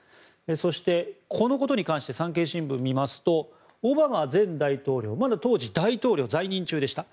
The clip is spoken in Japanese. そして、このことに関して産経新聞を見ますとオバマ前大統領まだ当時、大統領在任中でした。